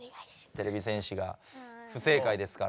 てれび戦士が不正解ですから。